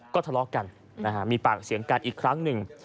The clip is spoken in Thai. ก็ทะเลาะกันมีปากเสียงกันอีกครั้งหนึ่ง